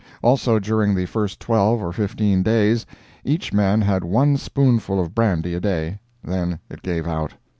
Also, during the first twelve or fifteen days, each man had one spoonful of brandy a day, then it gave out.